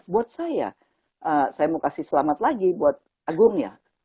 buat saya saya mau kasih selamat lagi buat agung ya